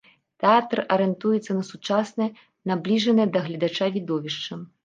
Тэатр арыентуецца на сучаснае, набліжанае да гледача відовішча.